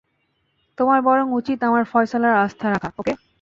তোমার বরং উচিৎ আমার ফয়সালায় আস্থা রাখা, ওকে?